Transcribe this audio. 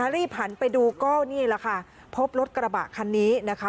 รีบหันไปดูก็นี่แหละค่ะพบรถกระบะคันนี้นะคะ